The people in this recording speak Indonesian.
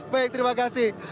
baik terima kasih